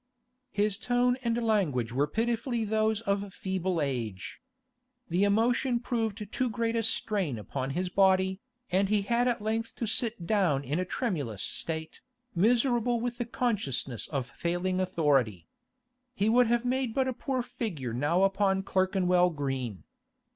His tone and language were pitifully those of feeble age. The emotion proved too great a strain upon his body, and he had at length to sit down in a tremulous state, miserable with the consciousness of failing authority. He would have made but a poor figure now upon Clerkenwell Green.